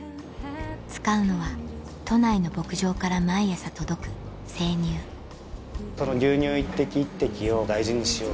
使うのは都内の牧場から毎朝届く生乳その牛乳１滴１滴を大事にしようと。